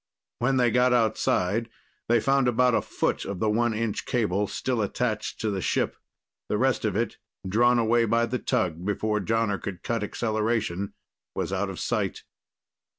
When they got outside, they found about a foot of the one inch cable still attached to the ship. The rest of it, drawn away by the tug before Jonner could cut acceleration, was out of sight.